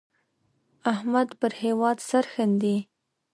احمد پر هېواد سرښندي.